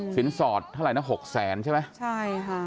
สินสอดเท่าไรนะ๖๐๐๐๐๐ใช่ไหมใช่ค่ะ